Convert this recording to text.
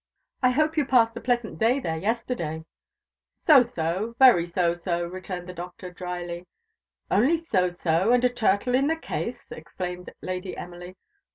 "I hope you passed a pleasant day there yesterday?" "So, so very so, so," returned the Doctor drily. "Only so, so, and a turtle in the case!" exclaimed Lady Emily.